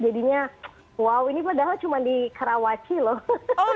jadinya wow ini padahal cuma di karawaci loh